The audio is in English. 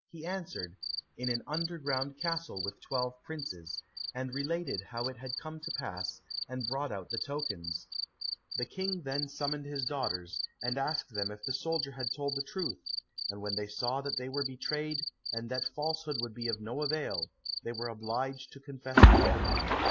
he answered, "In an underground castle with twelve princes," and related how it had come to pass, and brought out the tokens. The King then summoned his daughters, and asked them if the soldier had told the truth, and when they saw that they were betrayed, and that falsehood would be of no avail, they were obliged to confess all.